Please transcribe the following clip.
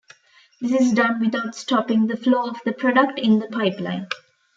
This is done without stopping the flow of the product in the pipeline.